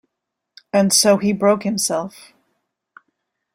And so he broke himself.